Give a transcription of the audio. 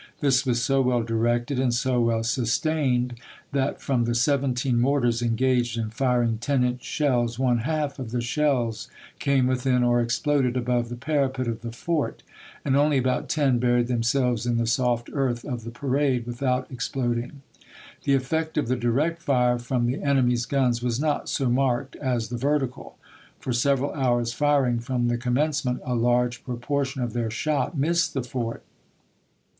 This was so well directed, and so well sustained, that from the seventeen mortars engaged in firing ten inch shells one half of the shells came within or exploded above the parapet of the fort, and only about ten buried themselves in the soft earth of the parade without ex ploding. .. The effect of the direct fire from the enemy's guns was not so marked as the vertical. For several hours' firing from the commencement, a large proportion of their shot missed the fort.